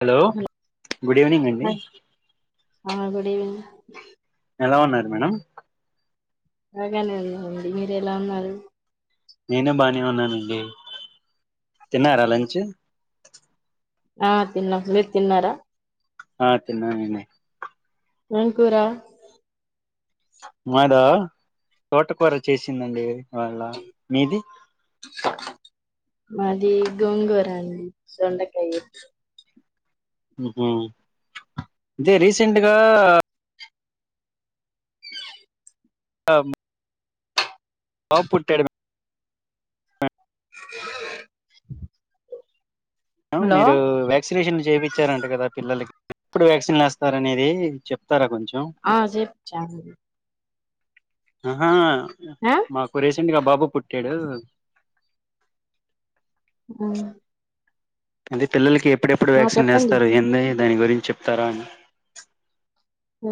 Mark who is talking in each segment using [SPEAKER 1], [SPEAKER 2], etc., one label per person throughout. [SPEAKER 1] Hello good evening అండి
[SPEAKER 2] hi ఆ బడి
[SPEAKER 1] ఎలా ఉన్నారు మేడం
[SPEAKER 2] బాగానే ఉన్నామండి మీరు ఎలా ఉన్నారు
[SPEAKER 1] నేను బానే ఉన్నానండి తిన్నారా లంచ్
[SPEAKER 2] ఆ తిన్నా మీరు తిన్నారా
[SPEAKER 1] ఆ తిన్నాను
[SPEAKER 2] ఏం కూరా
[SPEAKER 1] మాదా తోటకూర చేసిందండి వాళ్ళ మీది
[SPEAKER 2] మాది గోంగూరండి సొండకాయ
[SPEAKER 1] ఉహూ అదే రీసెంట్గా ఆ బాబు పుట్టాడు
[SPEAKER 2] హలో
[SPEAKER 1] మీరు వ్యాక్సినేషన్ చేపించారంట కదా పిల్లలకి ఎప్పుడు వ్యాక్సిన్లు వేస్తారనేది చెప్తారా కొంచెం
[SPEAKER 2] ఆ చెప్పు చ
[SPEAKER 1] ఆహా మాకు రీసెంట్ గా బాబు పుట్టాడు
[SPEAKER 2] ఉమ్
[SPEAKER 1] అంటే పిల్లలకి ఎప్పుడెప్పుడు
[SPEAKER 2] ఆ
[SPEAKER 1] వ్యాక్సిన్
[SPEAKER 2] చెప్పండి
[SPEAKER 1] వేస్తారు ఏంది దాని గురించి చెప్తారా అండి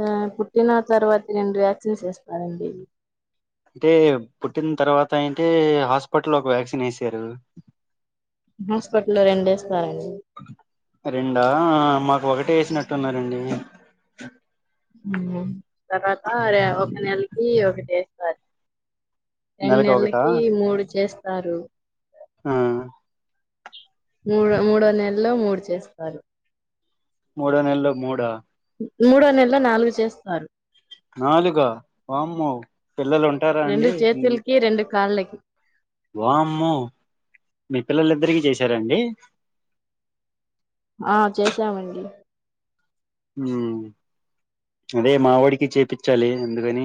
[SPEAKER 2] ఆ పుట్టిన తర్వాత నేను రెండు వ్యాక్సిన్స్ వేస్తారండి
[SPEAKER 1] అంటే పుట్టిన తర్వాత అంటే హాస్పిటల్ ఒక వ్యాక్సిన్ వేసారు
[SPEAKER 2] హాస్పిటల్ల్లో రెండు వేస్తారండి
[SPEAKER 1] రెండా మాకు ఒకటే వేసినట్టున్నారండి
[SPEAKER 2] ఆ తర్వాత ఒక నెలకి ఒకే ఈశ్వర్ రెండు
[SPEAKER 1] నెలకు ఒకటా
[SPEAKER 2] నెలలకి మూడు చేస్త సారు
[SPEAKER 1] ఆ
[SPEAKER 2] మూడో మూడో నెలలో మూడు చేస్తారు
[SPEAKER 1] మూడ నెలు మూడ
[SPEAKER 2] మూడో నెలలో నాలుగు చేస్తారు
[SPEAKER 1] నాలుగ వామ్మో పిల్లలు ఉంటారా
[SPEAKER 2] రెండు
[SPEAKER 1] అండి
[SPEAKER 2] చేతులకి రెండు కాళ్ళకి
[SPEAKER 1] వామ్మె మీ పిల్లలు ఇద్దరికి చేశారండి
[SPEAKER 2] ఆ చేసామండి
[SPEAKER 1] అదే మా వాడికి చేపించ్చాలి ఎందుకని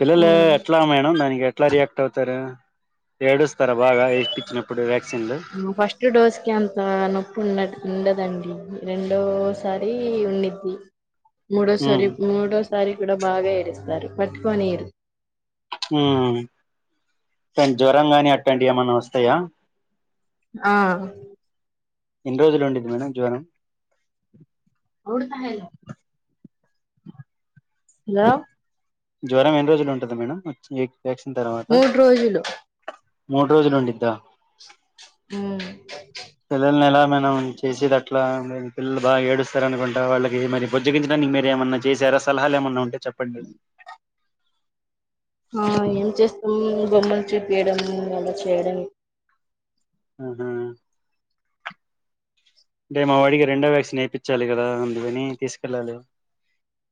[SPEAKER 1] పిల్లలు
[SPEAKER 2] ఉమ్.
[SPEAKER 1] ఎట్ల మేడం దానికే ఎట్లా రియాక్ట్ అవుతారు ఎడు స్త్
[SPEAKER 2] ఫస్ట్ డోస్ కి అంత నొప్పి ఉండ ఉండదండి రెండోసారి ఉండిద్ది మూడో సరి
[SPEAKER 1] మ్మ్
[SPEAKER 2] మూడు సారి కూడా బాగా ఏడుస్తారు పట్టుకనిరు
[SPEAKER 1] ఉ రెం జ్వరం కాని అట్ ఇక్కడి ఏమైనా వస్తాయా
[SPEAKER 2] ఆ
[SPEAKER 1] ఎన్ని రోజులు ఉండేది మేడం జ్వరం
[SPEAKER 2] హలో హలో
[SPEAKER 1] జ్వరం ఎన్ని రోజులు ఉంటది మేడం వ్యాక్సిన్ తర్వాత
[SPEAKER 2] మూడు రోజులు
[SPEAKER 1] మూడు రోజులు ఉండిద్దా
[SPEAKER 2] ఉ
[SPEAKER 1] పిల్లల్ని ఎలా మనం చేసేది అట్లా పిల్లలు బాగా ఏడుస్తారనుకుంటా వాళ్ళకి బుజ్జగించడానికి మీరు ఏమన్నా చేసారా సలహాలు ఏమన్నా ఉంటే చెప్పండి
[SPEAKER 2] ఆ ఏం చేస్తామ్ బొమ్మలు చూపియడం అలా చేయడం
[SPEAKER 1] ఆహ అంటే మా వాడికి రెండో వ్యాక్సిన్ వేపించాలి కదా అందుకని తీసుకెళ్ళాలి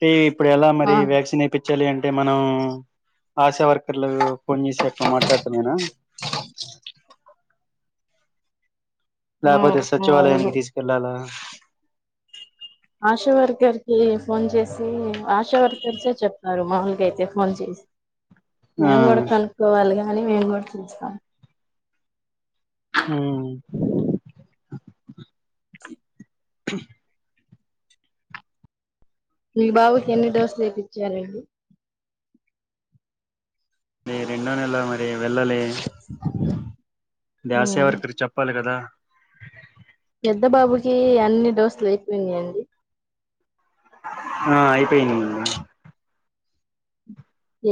[SPEAKER 1] టే ఇప్పుడు ఎలా
[SPEAKER 2] ఆ
[SPEAKER 1] మరి వక్సన్ ఏపీ వేయించాలి అంటే మనం ఆశా వర్కర్లు ఫోన్ చేసి అట్లా మాట్లాడటమేనా
[SPEAKER 2] ఆ
[SPEAKER 1] లేకపోతే
[SPEAKER 2] ఆ, అవును
[SPEAKER 1] సచివాలయానికి తీసుకెళ్ళాలా [inaudible]
[SPEAKER 2] ఆశావర్కర్ కి ఫోన్ చేసి ఆశా వర్కల్సే చెప్ తారు. మాముల్గ అయితే ఫోన్ చేసి
[SPEAKER 1] ఆ
[SPEAKER 2] మేము కూడా కనుక్కోవాలిగా అని మేంగోటిచిన
[SPEAKER 1] ఉం
[SPEAKER 2] చి
[SPEAKER 1] [inaudible]
[SPEAKER 2] మీ బాబు ఎన్ని డోస్లు ఎపించ జరండి
[SPEAKER 1] ఈ రెండో నెల ఎ వెళ్ళలే ఆశ
[SPEAKER 2] మ్
[SPEAKER 1] వర్కరు చెప్పాలి కదా
[SPEAKER 2] పెద్ద బాబుకి అన్ని డోసులు అయిపోయినాయండి
[SPEAKER 1] ఆ అయిపోయినయి మేడం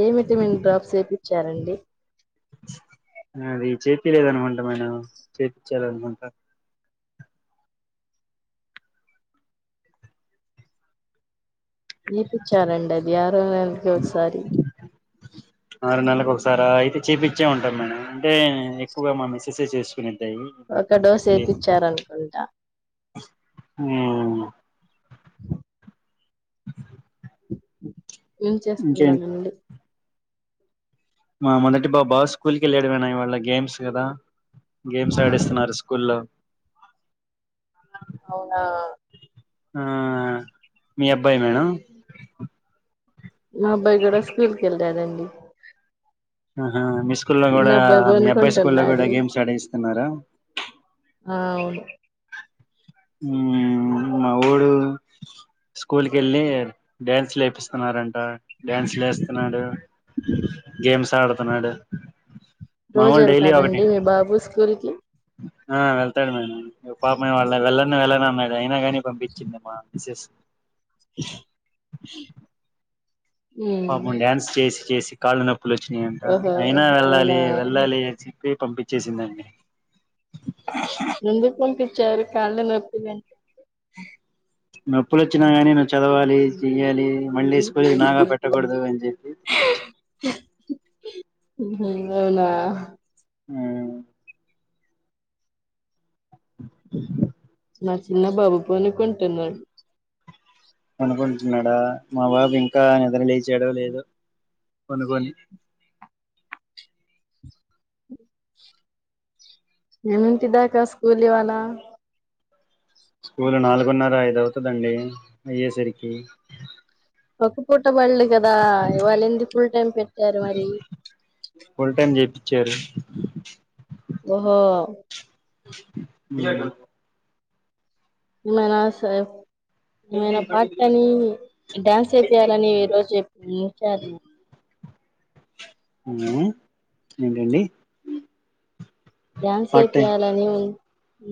[SPEAKER 2] ఏ విటమిన్ డ్రాప్స్ చేపిచారండి
[SPEAKER 1] అది చేతికి లేదనమాంటా మన చేపిచ్చాలన ఇంకా
[SPEAKER 2] నేర్పించారండి అది వారంలోనికి ఒకసారి
[SPEAKER 1] ఆరు నెలలకు ఒకసారి అయితే చేపచ్చే ఉంటాం మేము అంటే ఎక్కువగా మా మిస్సెస్ చేసుకునే
[SPEAKER 2] ఒక డోస్ వేపిచ్చారనుకుంటా
[SPEAKER 1] అ
[SPEAKER 2] ఏం
[SPEAKER 1] ఇంకేంటి
[SPEAKER 2] చేస్తున్నానండి
[SPEAKER 1] మా మొదటి బాబా స్కూల్కి వెళ్ళాడు మేడం ఇవాళ గేమ్స్ కదా గేమ్స్ ఆడిస్తున్నారు స్కూల్లో
[SPEAKER 2] అవునా
[SPEAKER 1] ఆ మీ అబ్బాయి కి మేడం
[SPEAKER 2] మా అబ్బాయి కూడా స్కూల్ కెళ్ళడండి
[SPEAKER 1] ఆహా స్కూ లో కూడా మీ అబ్బాయి స్కూల్లో కూడా
[SPEAKER 2] పనుకుంటున్నాడు
[SPEAKER 1] గేమ్స్ ఆడేస్ తిన్నారా
[SPEAKER 2] ఆ అవును
[SPEAKER 1] మా ఊడు స్కూల్ క వెళ్ళి డ్యాన్స్ లేపిస్తున్నారంట డ్యాన్స్ లేస్తున్నాడు గేమ్స్ ఆడత పనాడు
[SPEAKER 2] రోజు వెళ్తారాండి మీ బాబు స్కూల్ కి
[SPEAKER 1] ఆ వెళ్తాడు మేడం పాపం ఈ వాళ వెళ్ళల వెళ్ళనన్నాడు అయినా గానీ పంపించింది మా మిసెస్
[SPEAKER 2] మ్
[SPEAKER 1] పాపం డ్యాన్స్ చేసి చేసి కాళ్ళు నొప్ నొప్పులు వచ్చినియంట
[SPEAKER 2] ఓహో
[SPEAKER 1] అయినా వెళ్ళాలి
[SPEAKER 2] అవునా
[SPEAKER 1] వెళ్ళాలి చ పి పంపించేసిందండి.
[SPEAKER 2] ఎందుకు పంపి చారు కాళ్ళు నొప్పులంటే
[SPEAKER 1] నొప్పులు వచ్చినా గాని నువ్వు చదవాలి చెయ్యాలి మళ్ళీ స్కూల్కి నాగా పెట్టకూడదు అని చెప్పి పంపించి
[SPEAKER 2] ఊహూ అవునా
[SPEAKER 1] హ్మ్
[SPEAKER 2] మా చిన్న బాబు పనుకుంటున్నాడు.
[SPEAKER 1] పనుకుంటున్నాడా మా బాబు ఇంకా నిద్ర లేచాడో లేదో పనుకొని
[SPEAKER 2] ఎన్నింటి దాకా స్కూల్ ఇవాళ
[SPEAKER 1] స్కూల్ నాలుగున్నర ఐదు అవుతుదండి అయ్యేసరికి
[SPEAKER 2] ఒక పూట పూటబళ్ళు కదా ఇవాళ ఏంది ఫుల్ టైం పెట్టారు మరి
[SPEAKER 1] చేరు
[SPEAKER 2] ఓహో
[SPEAKER 1] హ్మ్
[SPEAKER 2] మనా సే ఆయన పాట అని డ్యాన్స్ చెపీయాలని ఈ రోజు చెప్ ఉంచారు.
[SPEAKER 1] ఆ ఏంటండి
[SPEAKER 2] డాన్స్
[SPEAKER 1] పార్ట్ టైం
[SPEAKER 2] వేపియాలని ఉం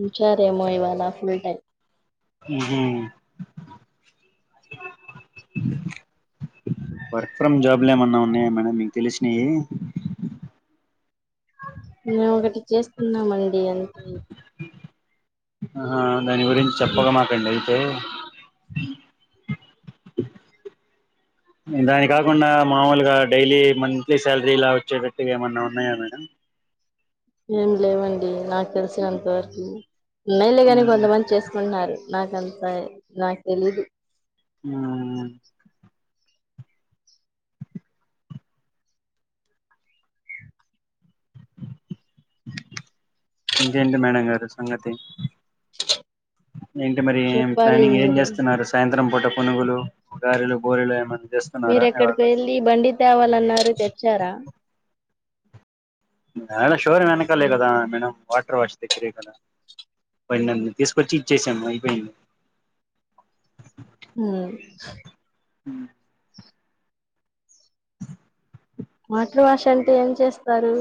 [SPEAKER 2] ఉంచారేమో ఇవాళ ఫుల్ టైమ్
[SPEAKER 1] ఊహూ వర్క్ ఫ్రమ్ జాబ్లు ఏమన్నా ఉన్నాయా మేడం మీ తెలిసినియి
[SPEAKER 2] మేము ఒకటి చేస్తున్నాం అనేది ఏ అంత ఏ
[SPEAKER 1] ఆ దాని గురించి చెప్పక మాకండి దాని కాకుండా మామూలుగా డైలీ మంత్లీ శాలరీ ఇలా వచ్చేటట్టు ఏమన్నా ఉన్నాయా మేడం
[SPEAKER 2] ఏం లేవండి నాకు తెలిసినంత వరకు అమ్మాయిలే
[SPEAKER 1] ఉమ్
[SPEAKER 2] కాని కొంతమంది చేసుకుంటునారు నాకంతా నాకు తెలీదు
[SPEAKER 1] హ్మ్ ఇంకేంటి మేడం గారు సంగతి ఏంటి మరి
[SPEAKER 2] చెప్పాలి
[SPEAKER 1] ప్లానింగ్ ఏం
[SPEAKER 2] మీరే
[SPEAKER 1] చేస్తున్నారు సాయంత్రం పూట పునుగులు గారలు బూరెలు ఏమన్నా
[SPEAKER 2] మీరు
[SPEAKER 1] చేస్తున్నారా ఇవాళ
[SPEAKER 2] ఎక్కడికొ వెళ్ళి బండి తేవాలన్నారు తెచ్చారా
[SPEAKER 1] అ షూర్ వెనకాలే కదా మేడం వాటర్ వాష్ దగ్గరే కదా పోయినన్ని తీసుకొచ్చి ఇచ్చసాము అయిపోయింది
[SPEAKER 2] హు
[SPEAKER 1] అ
[SPEAKER 2] మోటర్ వాష్ అంటే ఏం చేస్తారు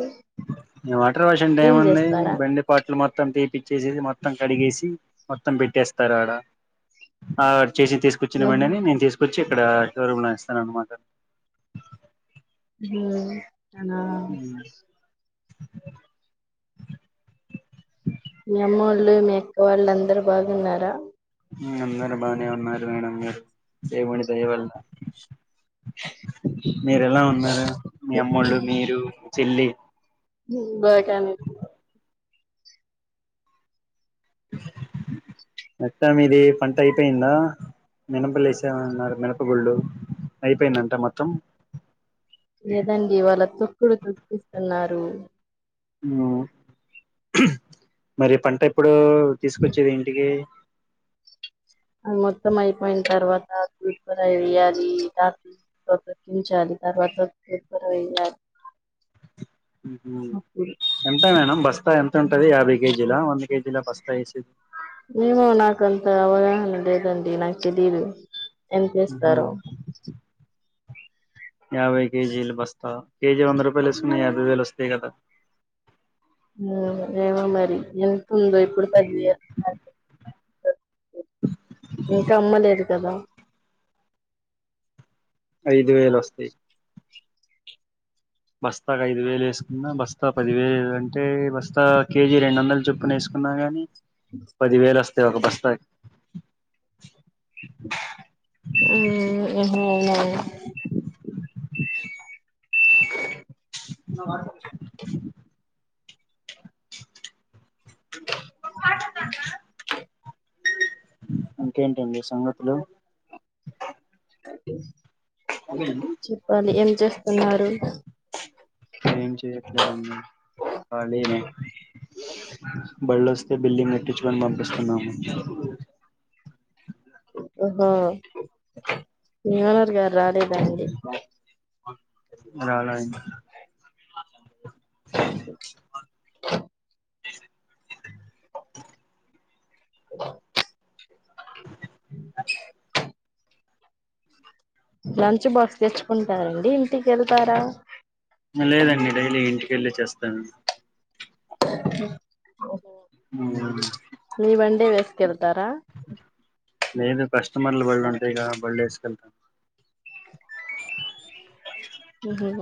[SPEAKER 1] ఎం మోటార్ వాష్ అంటే ఎం
[SPEAKER 2] క్లీన్
[SPEAKER 1] ఉంది
[SPEAKER 2] చేస్తారా
[SPEAKER 1] బండిపాట్లు మొ త్తం తీపిచ్చేసి మొత్తం కడిగేసి మొత్తం పెట్టేస్తారు ఆడ ఆ చేసి తీసుొచ్చిన
[SPEAKER 2] ఓహో
[SPEAKER 1] బండిని నేను తీసుకొచ్చి చ్చి ఇక్కడ షోర్రుమ్ ల ఎస్తారన్నమాట
[SPEAKER 2] హు అన మీ అమ్మ వాళ్ళు మీ అక్క వాళ్ళు అందరు బాగున్నారా
[SPEAKER 1] అందరు బానే ఉన్నారుా మేడం మీారు దేవుడి దయవల్ల మీరు ఎలా ఉన్నారు మీ అమ్మోళ్ళు మీరు చిిల్లి
[SPEAKER 2] బట్ ఐ మ్ ఏ
[SPEAKER 1] మొత్తా మీది పంట అయిపోయిందా మీనపలేసామన్నారు మినప గుళ్ళు అయిపోయిందా అంత మొత్తం
[SPEAKER 2] లేదండి ఇవ్వళ తో డు చుపిిస్తున్నారు
[SPEAKER 1] హు మరి పంట ఇప్పుడు తీసుకొచ్చేది ఇంటికి
[SPEAKER 2] మొత్తం అయిపోయిన తర్వాత తూపరా వేయాలి ఆ త ప్రతకించాలి తర్వాత తూపరా వేయాలి అప్పుడు
[SPEAKER 1] ఎంత మేడం బస్ స్తా ఎంత ఉంటది యాభై కేజీలా వంద కేజీల బస్తా వేసేది
[SPEAKER 2] ఏమే నాకంత అవగాహన లేదండి నాకు తెలియదు ఎంత
[SPEAKER 1] ఆహా
[SPEAKER 2] ఏస్తారో
[SPEAKER 1] యాబైకేజీలు బస్త కేజీ వంద రూపాయలేసుకున్నా యాభై వేలు వస్తాయి కదా
[SPEAKER 2] ఏమో మరి ఎంత ఉందో ఇప్పుడు తగ్ ఇంకా అమ్మలేదు కదా
[SPEAKER 1] ఐదు వేలు వస్తాయి బస్తాకు ఐదు వేలు వేసుకున్నా బస్తా పది వేలు అంటే బస్తా కేజీ రెండు వందలు చొప్పున వేసుకున్నా గాని పది వేలుస్త త ఒక బస్తకి
[SPEAKER 2] ఉమ్
[SPEAKER 1] అ ఇంకేంటిండి సంగతులు
[SPEAKER 2] చెప్పాలి ఏం చేస్తున్నారు అ
[SPEAKER 1] ఏం చెయట్లేదండి ఖాళీని బళ్ళ వస్తే బిల్డి ముట్టించుకని పంపిస్తున్నాము స
[SPEAKER 2] హా మీ ఓనర్ రాలేదండి
[SPEAKER 1] రాల ఇంకా
[SPEAKER 2] లంచ్ బాక్స్ తెచ్చుకుంటారండి ఇంటికి వెళ్తారా
[SPEAKER 1] లేదండి డైలీ ఇంటిక వెళ్ళి చేస్తాను
[SPEAKER 2] మీ బండే
[SPEAKER 1] అ
[SPEAKER 2] వేసుకెళ్తారా
[SPEAKER 1] నేను పస్ట్ సమాలు బర్డేస్కల్త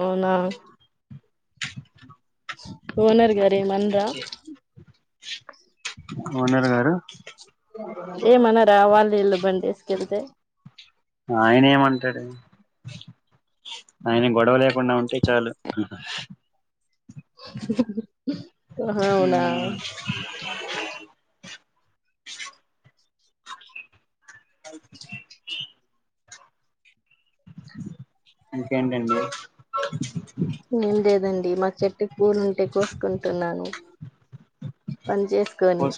[SPEAKER 2] అవునా స ఓనర్ గారూ ఏం అనరా
[SPEAKER 1] వఓనర్ గారు
[SPEAKER 2] ఏమనరా వాళ్ళు విళ్ళ బండి తీసుకెళ్తే
[SPEAKER 1] ఆయన ఏమంటాడు ఆయన గొడవ లేకుండా ఉంటే చాలు
[SPEAKER 2] అవునా
[SPEAKER 1] అ ఇంకేంటండి
[SPEAKER 2] ఏం లేదండి మా చెట్టు పూరు ఉంటే కోసుకుంటున్నాను పని చేసుకొని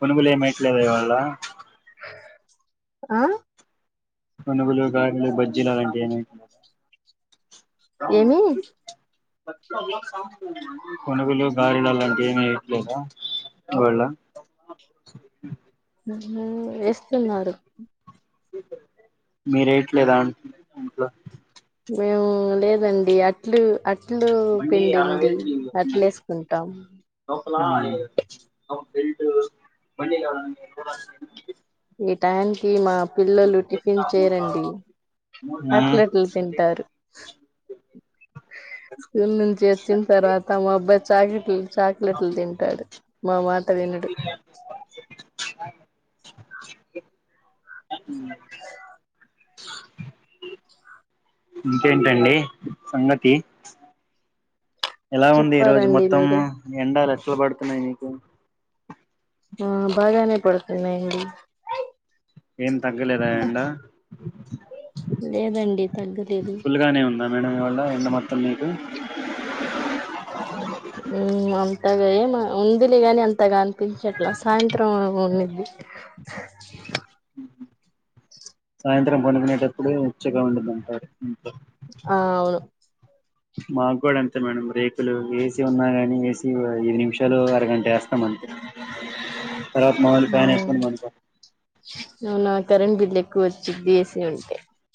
[SPEAKER 1] కొనుగొలు ఏ మైట్లేద ఇవాళ
[SPEAKER 2] ఆ
[SPEAKER 1] పునుగులు గారెలు బజ్జీలు అని అలాంటివి ఏమీ ఏయ్యట్లేద
[SPEAKER 2] ఏమి
[SPEAKER 1] పునుగులు గారెలు అలాంటివి ఏమి ఏయట్లేదా ఇవాళ
[SPEAKER 2] ఎస్తున్నారు
[SPEAKER 1] మీరేయట్లేదా అంటున్నా ఇంట్లో
[SPEAKER 2] మేము లేదండి అట్లు అ అట్లు పిండి ఉంది అట్లు ఏసుకుంటాం
[SPEAKER 1] ఉమ్
[SPEAKER 2] ఇటయానికి మా పిల్లలు టిఫిన్ చేయరండి
[SPEAKER 1] మ్మ్.
[SPEAKER 2] చాక్లెట్లు తింటారు స్కూల్ నుంచి వచ్చిన తర్వాత మా అబ్బాయి చాక్లెట్లు చాక్లెట్లు తింటాడు మావార్
[SPEAKER 1] ఇ ఉ ఇంకేంటండి సంగతి ఎలా ఉంది ఈ రోజు
[SPEAKER 2] చెప్పాలండి
[SPEAKER 1] మొత్తం
[SPEAKER 2] మీరే
[SPEAKER 1] ఎండాలు ఎక్కువ పడు ఉన్నాయ్ నీకు
[SPEAKER 2] ఆ బాగానే పడుతున్నాయ్ అండి
[SPEAKER 1] ఏం తగ్గలేదా ఎండా?
[SPEAKER 2] లేదండి తగ్గలేదు
[SPEAKER 1] ఫుల్గానే ఉం నా మేడ వాల్ళ ఎండ మొత్తం నీకు [unintelligible]
[SPEAKER 2] ఉ అం అంతగా ఏం ఉందిలే గాని అంతగా అనిపించట్లా సాయంత్రం ఉన్నిద్ది
[SPEAKER 1] ఉహు సాయంత్రం పనుకునేటప్పుడు ఉచ్చగా ఉండుద్ది అంటారు
[SPEAKER 2] ఆ అవును
[SPEAKER 1] మాకు కూడా అంతే మేడం రేకులు ఏసీ ఉన్నా గని ఏసీ ఐదు నిమిషాలు అరగంట వేస్తాం అంతే తర్వాత మామొలు ఫ్యాను
[SPEAKER 2] ఉమ్
[SPEAKER 1] ఏసుకొని పడుకో
[SPEAKER 2] అవునా కరెంట్ బిల్ ఎక్కువ వొచ్చిద్ది ఏ సి ఉంటే